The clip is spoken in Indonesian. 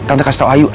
tante kasih tau ayuh